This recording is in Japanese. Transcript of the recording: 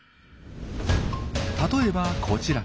例えばこちら。